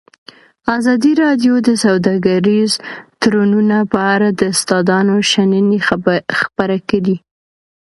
ازادي راډیو د سوداګریز تړونونه په اړه د استادانو شننې خپرې کړي.